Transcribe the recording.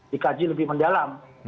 dikaji lebih mendalam